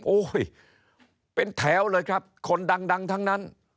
โอ้ยเป็นแถวเลยครับคนดังทั้งนั้น